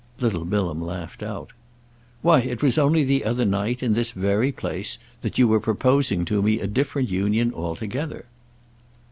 Little Bilham laughed out. "Why it was only the other night, in this very place, that you were proposing to me a different union altogether."